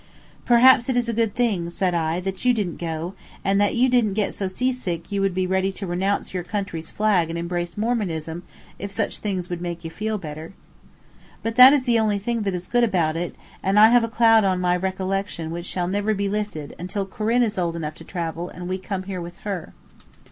"Perhaps it is a good thing," said I, "that you didn't go, and that you didn't get so seasick that you would be ready to renounce your country's flag and embrace Mormonism if such things would make you feel better." But that is the only thing that is good about it, and I have a cloud on my recollection which shall never be lifted until Corinne is old enough to travel and we come here with her.